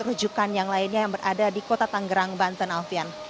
rujukan yang lainnya yang berada di kota tanggerang banten alfian